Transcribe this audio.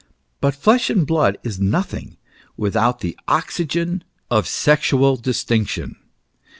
But flesh and blood is nothing without the oxygen of sexual distinction.